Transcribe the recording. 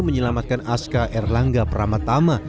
menyelamatkan aska erlangga pramatama